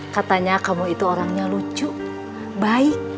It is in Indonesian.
katanya kamu itu orangnya lucu baik